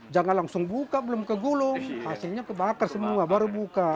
jangan langsung buka belum kegulung hasilnya kebakar semua baru buka